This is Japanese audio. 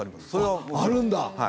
あるんだ。